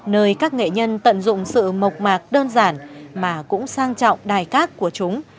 nơi các nghệ nhân tận dụng sự mộc mạc đơn giản mà cũng sang trọng đài các của chúng